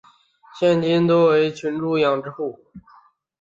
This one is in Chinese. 现今多为群猪养殖户。